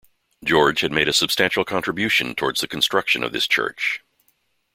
George had made a substantial contribution towards the construction of this church.